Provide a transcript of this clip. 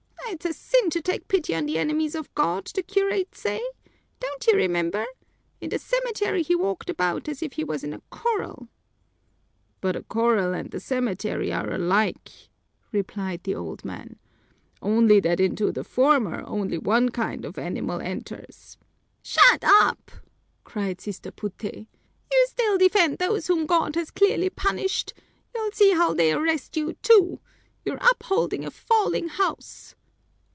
It's a sin to take pity on the enemies of God, the curates say. Don't you remember? In the cemetery he walked about as if he was in a corral." "But a corral and the cemetery are alike," replied the old man, "only that into the former only one kind of animal enters." "Shut up!" cried Sister Puté. "You'll still defend those whom God has clearly punished. You'll see how they'll arrest you, too. You're upholding a falling house."